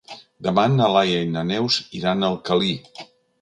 Demà na Laia i na Neus iran a Alcalalí.